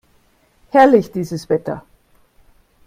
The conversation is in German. Herrlich, dieses Wetter!